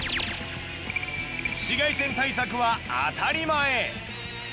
紫外線対策は当たり前！